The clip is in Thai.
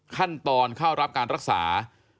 ขั้นตอนเข้ารับการรักษา